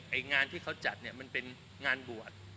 งานที่เขาจัดเนี่ยมันเป็นงานบวช